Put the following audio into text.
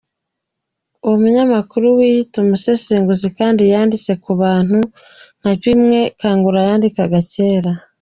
Uwo munyamakuru wiyita umusesenguzi, yanditse kandi ku batutsikazi, nka bimwe Kangura yandikaga cyera.